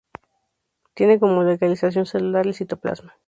Tiene como localización celular el citoplasma.